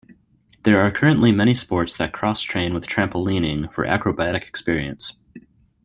There are currently many sports that cross-train with trampolining for acrobatic experience.